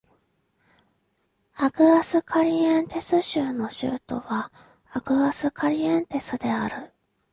アグアスカリエンテス州の州都はアグアスカリエンテスである